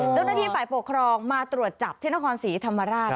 เจ้าหน้าที่ฝ่ายปกครองมาตรวจจับที่นครศรีธรรมราช